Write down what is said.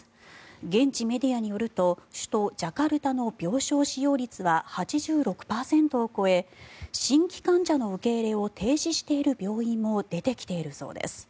現地メディアによると首都ジャカルタの病床使用率は８６％を超え新規患者の受け入れを停止している病院も出てきているそうです。